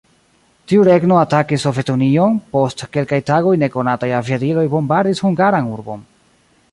Tiu regno atakis Sovetunion, post kelkaj tagoj nekonataj aviadiloj bombardis hungaran urbon.